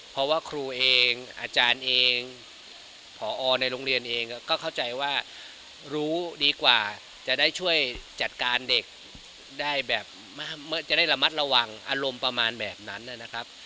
เพราะว่าครูเองอาจารย์เองผอในโรงเรียนเองก็เข้าใจว่ารู้ดีกว่าจะได้ช่วยจัดการเด็กได้แบบจะได้ระมัดระวังอารมณ์ประมาณแบบนั้นนะครับ